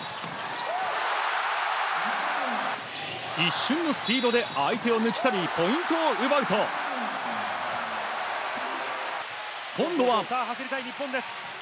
一瞬のスピードで相手を抜き去りポイントを奪うと、今度は。